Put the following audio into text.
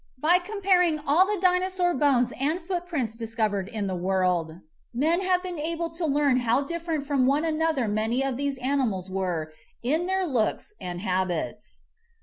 By comparing all the Dinosaur bones and footprints discovered in the world men have been able to learn how different from one another many of these animals were in their looks and habits.